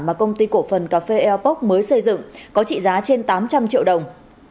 mà công ty cổ phần cà phê eapoc mới xây dựng có trị giá trên tám trăm linh triệu đồng